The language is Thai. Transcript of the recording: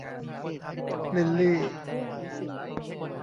ลิลลี่